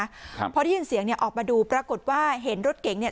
ครับพอได้ยินเสียงเนี้ยออกมาดูปรากฏว่าเห็นรถเก๋งเนี่ย